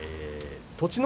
栃ノ